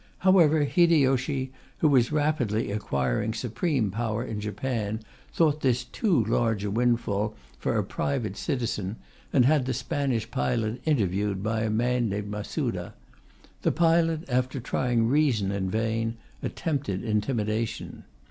However, Hideyoshi, who was rapidly acquiring supreme power in Japan, thought this too large a windfall for a private citizen, and had the Spanish pilot interviewed by a man named Masuda. The pilot, after trying reason in vain, attempted intimidation.